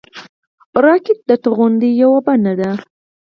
راکټ د توغندیو یوه بڼه ده